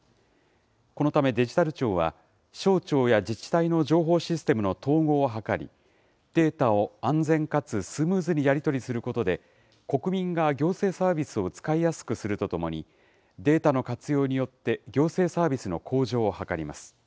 このためデジタル庁は、省庁や自治体の情報システムの統合を図り、データを安全かつスムーズにやり取りすることで、国民が行政サービスを使いやすくするとともに、データの活用によって、行政サービスの向上を図ります。